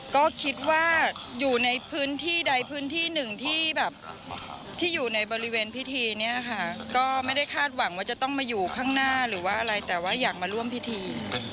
ก็คิดว่าอยู่ในพื้นที่ใดพื้นที่หนึ่งที่แบบที่อยู่ในบริเวณพิธีเนี่ยค่ะก็ไม่ได้คาดหวังว่าจะต้องมาอยู่ข้างหน้าหรือว่าอะไรแต่ว่าอยากมาร่วมพิธี